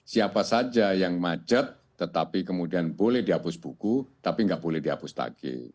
siapa saja yang macet tetapi kemudian boleh dihapus buku tapi nggak boleh dihapus tagih